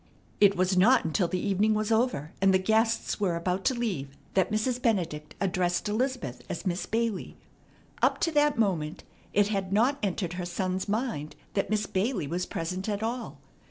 It was not until the evening was over, and the guests were about to leave, that Mrs. Benedict addressed Elizabeth as Miss Bailey. Up to that moment it had not entered her son's mind that Miss Bailey was present at all.